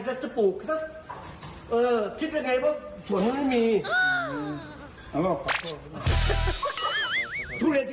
ทุเรียนที่บ้านมี๗ต้นมันไม่มีออกผลออกหลอก